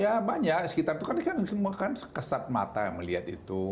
ya banyak sekitar itu kan kesat mata melihat itu